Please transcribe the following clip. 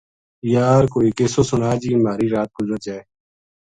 یار ! کوئی قصو سنا جی مہاری رات گزر جائے‘‘